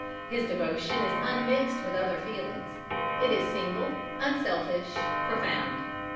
His devotion is unmixed with other feelings. It is single, unselfish, profound.